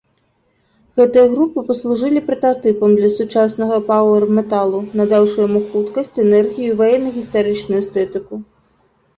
Гэтыя групы паслужылі прататыпам для сучаснага паўэр-металу, надаўшы яму хуткасць, энергію і ваенна-гістарычную эстэтыку.